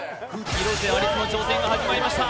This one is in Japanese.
広瀬アリスの挑戦が始まりました